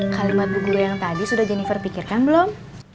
kalimat bu guru yang tadi sudah jennifer pikirkan belum